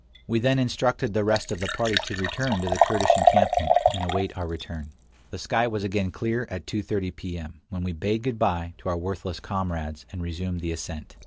We then instructed the rest of the party to return to the Kurdish encampment and await our return. The sky was again clear at 2:30 P. M., when we bade good by to our worthless comrades and resumed the ascent.